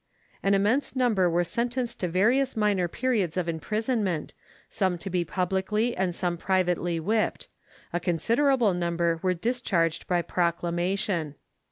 An immense number were sentenced to various minor periods of imprisonment, some to be publicly and some privately whipped. A considerable number were discharged by proclamation.